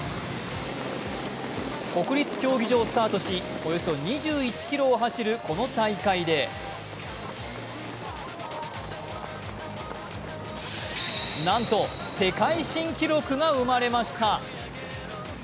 国立競技場をスタートし、およそ２１ｋｍを走るこの大会でなんと世界新記録が生まれました。